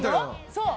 そう。